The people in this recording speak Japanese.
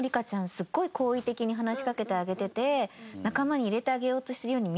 すごい好意的に話しかけてあげてて。